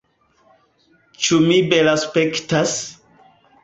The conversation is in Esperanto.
Ĉu mi belaspektas?